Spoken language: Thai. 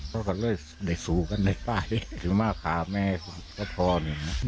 เพราะก็เลยได้สูงกันในใต้ที่มาขาแม่ก็ทอนอย่างนั้น